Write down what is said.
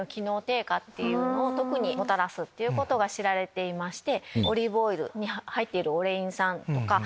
特にもたらすっていうことが知られていまして。